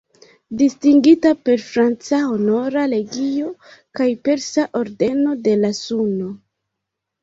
Distingita per franca Honora Legio kaj persa Ordeno de la Suno.